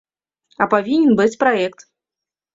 А павінен быць праект.